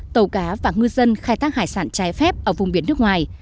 tàu cá và ngư dân khai thác hải sản trái phép ở vùng biển nước ngoài